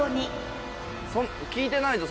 聞いてないぞ